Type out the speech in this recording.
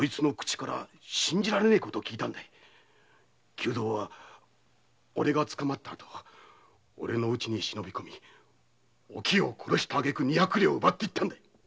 久蔵は俺が捕まった後俺の家に忍び込みおきよを殺した挙句二百両を奪っていったんだ！